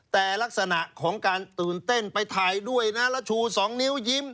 แต่ลักษณะของการตื่นเต้นไปถ่ายด้วยนะแล้วชู๒นิ้วยิ้ม